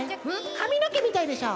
かみのけみたいでしょ？